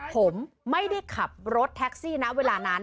ผมไม่ได้ขับรถแท็กซี่นะเวลานั้น